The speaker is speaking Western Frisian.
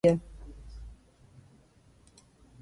Ik frege my ôf watfoar soarte wurk oft se die.